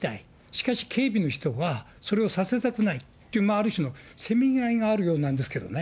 しかし、警備の人はそれをさせたくないっていう、ある種のせめぎ合いがあるようなんですけどね。